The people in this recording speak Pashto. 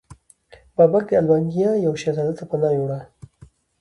بابک د البانیا یو شهزاده ته پناه یووړه.